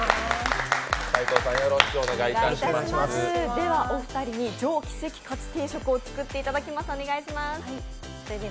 ではお二人に上キセキカツ定食を作っていただきます。